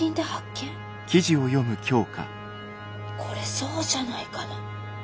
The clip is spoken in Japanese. これそうじゃないかな。